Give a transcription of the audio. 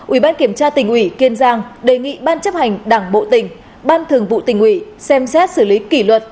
ubktq kiên giang đề nghị ban chấp hành đảng bộ tỉnh ban thường vụ tỉnh ủy xem xét xử lý kỷ luật